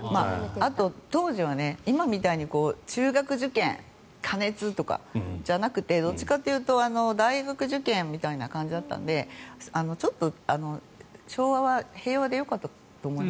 あと、当時は今みたいに中学受験過熱とかじゃなくてどちらかというと大学受験みたいな感じだったのでちょっと、昭和は平和でよかったと思います。